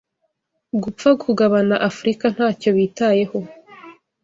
Gupfa kugabana Afurika ntacyo bitayeho